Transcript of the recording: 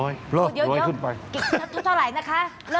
เยอะเท่าไรนะคะ